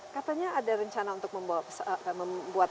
katanya ada rencana untuk membuat